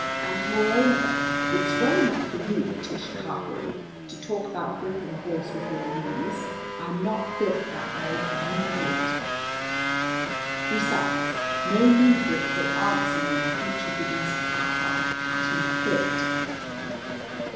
And, moreover, it's well enough for you, Tish Carberry, to talk about gripping a horse with your knees. I'm not built that way, and you know it. Besides, no knee grip will answer when a creature begins to act like a cat in a fit."